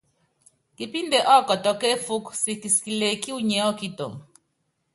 Kipínde ɔ́kɔtɔ kéefúk siki kisikilɛ ekí unyiɛ́ ɔ́kitɔŋ.